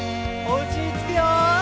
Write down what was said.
おうちにつくよ。